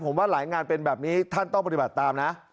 ผมว่าหลายงานเป็นแบบนี้ท่านต้องปฏิบัติตามนะ